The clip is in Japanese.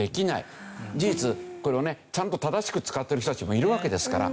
事実これをねちゃんと正しく使ってる人たちもいるわけですから。